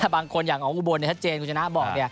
บางคนอย่างของอุบลชัดเจนคุณชนะบอก